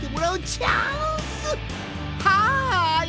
はい！